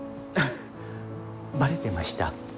バレてました？